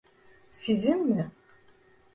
Sizin mi?